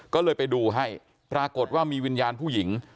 ก็เลยไปดูให้ปรากฏว่ามีวิญญาณผู้หญิง